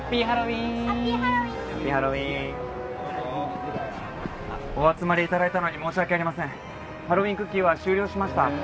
ハロウィンクッキーは終了しました。